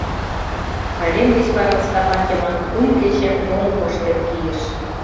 Пайрем деч вара Стапан Йыван кум кече оҥ корштен кийыш.